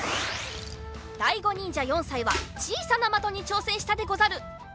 だいごにんじゃ４さいはちいさなまとにちょうせんしたでござる。